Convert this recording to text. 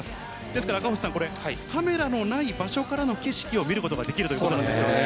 ですから赤星さん、カメラのない場所からの景色を見ることができそうなんですよね。